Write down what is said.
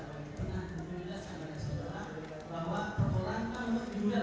apa yang dikira selanjutnya